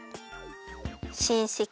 しんせき。